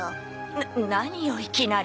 なっ何よいきなり。